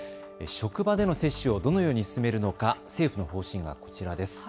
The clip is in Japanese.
職場での接種をどのように進めるのか政府の方針はこちらです。